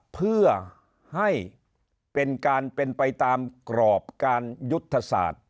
เพื่อให้เป็นการเป็นไปตามกรอบการยุทธศาสตร์